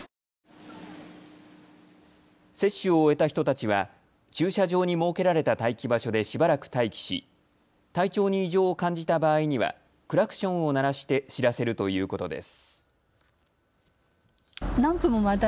接種を終えた人たちは駐車場に設けられた待機場所でしばらく待機し、体調に異常を感じた場合にはクラクションを鳴らして知らせるということです。